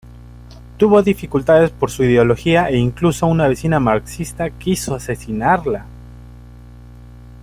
Tuvo dificultades por su ideología e incluso una vecina marxista quiso asesinarla.